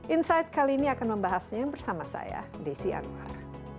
insight kali ini akan membahasnya bersama saya desi anwar